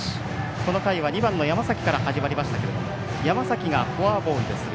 この回は２番の山崎から始まりましたが山崎がフォアボールで出塁。